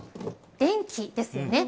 電気ですよね。